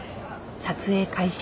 撮影開始。